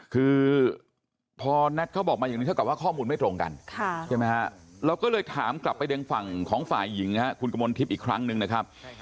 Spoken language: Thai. คือพอแน็ตเขาบอกมาอย่างนี้เท่ากับว่าข้อมูลไม่ตรงกันใช่ไหมฮะเราก็เลยถามกลับไปยังฝั่งของฝ่ายหญิงนะฮะคุณกมลทิพย์อีกครั้งนึงนะครับ